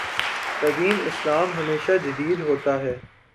قدیم اسلام ہمیشہ جدید ہوتا ہے۔